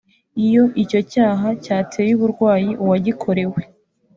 Iyo icyo cyaha cyateye uburwayi uwagikorewe